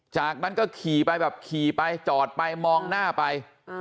จากนั้นก็ขี่ไปแบบขี่ไปจอดไปมองหน้าไป